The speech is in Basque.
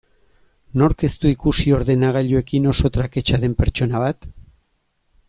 Nork ez du ikusi ordenagailuekin oso traketsa den pertsona bat?